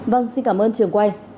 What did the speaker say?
vâng xin cảm ơn trường quay